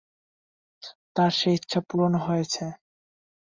তাঁর সে ইচ্ছা পূরণও হয়েছে।